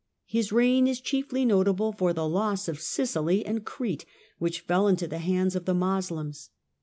His aign is chiefly notable for the loss of Sicily and Crete, 'nich fell into the hands of the Moslems.